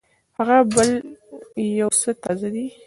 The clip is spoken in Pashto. هغه بل يو څه تازه دی.